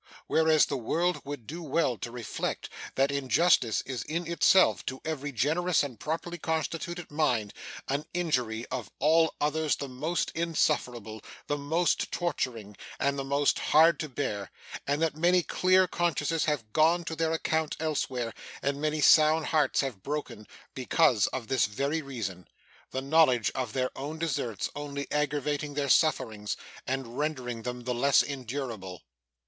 Whereas, the world would do well to reflect, that injustice is in itself, to every generous and properly constituted mind, an injury, of all others the most insufferable, the most torturing, and the most hard to bear; and that many clear consciences have gone to their account elsewhere, and many sound hearts have broken, because of this very reason; the knowledge of their own deserts only aggravating their sufferings, and rendering them the less endurable.